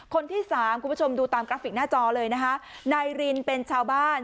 คนที่สามคุณผู้ชมดูตามกราฟิกหน้าจอเลยนะคะนายรินเป็นชาวบ้าน